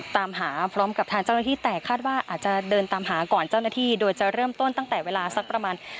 ตามหาพร้อมกับทางเจ้าหน้าที่แต่คาดว่าอาจจะเดินตามหาก่อนเจ้าหน้าที่โดยจะเริ่มต้นตั้งแต่เวลาสักประมาณ